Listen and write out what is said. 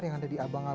ya ini sudah beku